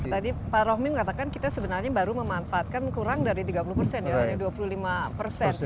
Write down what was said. tadi pak rohmi mengatakan kita sebenarnya baru memanfaatkan kurang dari tiga puluh persen ya hanya dua puluh lima persen